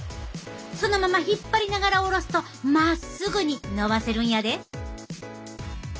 そのまま引っ張りながら下ろすとまっすぐに伸ばせるんやで。